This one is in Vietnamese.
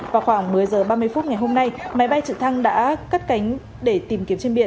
vào khoảng một mươi h ba mươi phút ngày hôm nay máy bay trực thăng đã cắt cánh để tìm kiếm trên biển